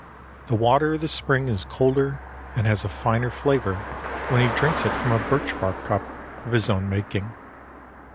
The water of the spring is colder and has a finer flavor when he drinks it from a birch bark cup of his own making.